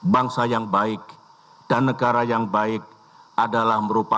bangsa yang baik dan negara yang baik adalah merupakan